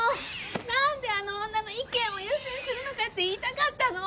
なんであの女の意見を優先するのかって言いたかったの！